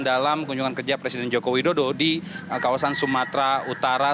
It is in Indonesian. dalam kunjungan kerja presiden joko widodo di kawasan sumatera utara